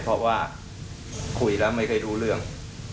เพราะว่าคุยแล้วไม่ค่อยรู้เรื่อง